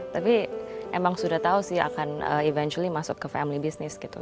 tapi emang sudah tahu sih akan aventuly masuk ke family business gitu